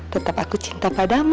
tetap aku cinta pada mama